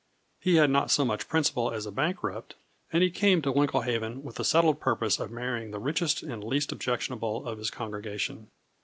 He had not so much principle as a bankrupt, and he came to Winklehaven with the settled purpose of marrying the richest and least objectionable of his congregation.